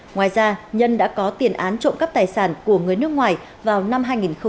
ngoài ra nhân đã có tiền án trộm cắp tài sản của người nước ngoài vào năm hai nghìn một mươi bảy